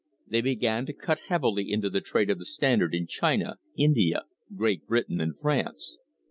They began to cut heavily into the trade of the Standard in China, India, Great Britain and France.